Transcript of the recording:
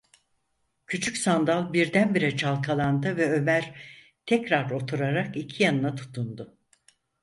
Küçük sandal birdenbire çalkalandı ve Ömer tekrar oturarak iki yanına tutundu.